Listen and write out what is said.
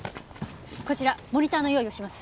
こちらモニターの用意をします。